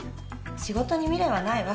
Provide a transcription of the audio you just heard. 仕事に未練はないわ。